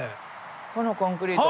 このコンクリート。